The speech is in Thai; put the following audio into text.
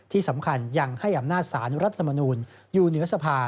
ที่สำคัญยังให้อำนาจสารรัฐมนูลอยู่เหนือสภา